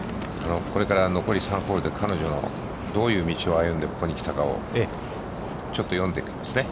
これから残り３ホールで彼女がどういう道を歩んで、ここに来たかを、ちょっと読んでいきますね。